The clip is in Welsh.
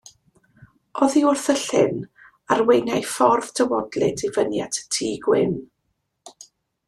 Oddi wrth y llyn arweiniai ffordd dywodlyd i fyny at y tŷ gwyn.